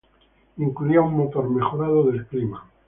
Incluía un motor mejorado del clima.